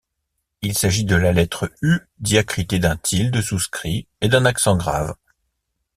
Il s’agit de la lettre U diacritée d’un tilde souscrit et d’un accent grave.